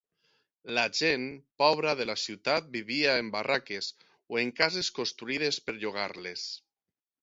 La gent pobra de la ciutat vivia en barraques o en cases construïdes per llogar-les.